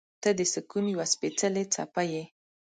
• ته د سکون یوه سپېڅلې څپه یې.